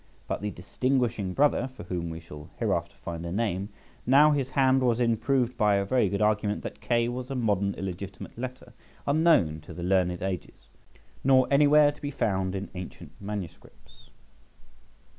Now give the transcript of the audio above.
But the distinguishing brother (for whom we shall hereafter find a name), now his hand was in, proved by a very good argument that K was a modern illegitimate letter, unknown to the learned ages, nor anywhere to be found in ancient manuscripts.